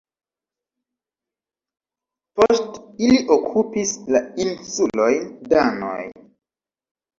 Post ili okupis la insulojn danoj.